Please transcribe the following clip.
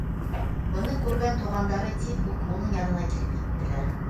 Быны күргән туғандары тиҙ үк уның янына килеп еттеләр.